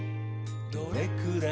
「どれくらい？